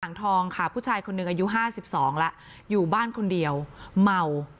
ทองค่ะผู้ชายคนหนึ่งอายุห้าสิบสองแล้วอยู่บ้านคนเดียวเมา